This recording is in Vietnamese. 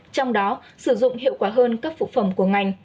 trong đó sử dụng hiệu quả hơn các phụ phẩm của ngành